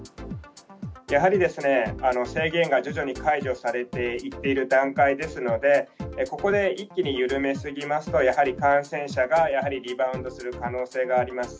やはり、制限が徐々に解除されていっている段階ですので、ここで一気に緩め過ぎますと、やはり感染者が、やはりリバウンドする可能性があります。